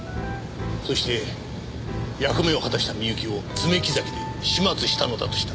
そして役目を果たしたみゆきを爪木崎で始末したのだとしたら。